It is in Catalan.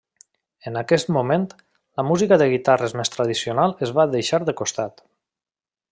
En aquest moment, la música de guitarres més tradicional es va deixar de costat.